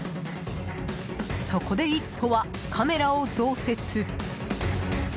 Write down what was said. そこで「イット！」はカメラを増設。